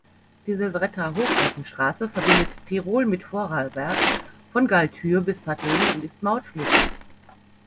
Die "Silvretta-Hochalpenstraße" verbindet Tirol mit Vorarlberg von Galtür bis Partenen und ist mautpflichtig.